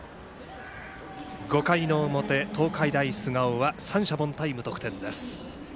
５回の表の東海大菅生は三者凡退、無得点です。